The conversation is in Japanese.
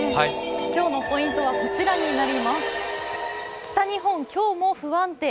今日のポイントはこちらになります。